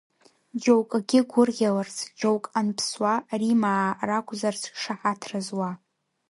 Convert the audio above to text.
Џьоукгьы гәырӷьаларц, џьоук анԥсуа, Римаа ракәзарц шаҳаҭра зуа?